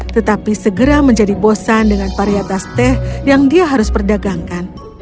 tetapi segera menjadi bosan dengan varietas teh yang dia harus perdagangkan